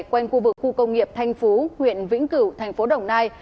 quanh khu vực khu công nghiệp thanh phú huyện vĩnh cửu thành phố đồng nai